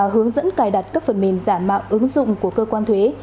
hướng dẫn cài đặt các phần mềm giả mạo ứng dụng của cơ quan thuế